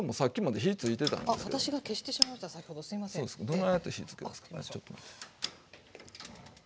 どないやって火つけるの？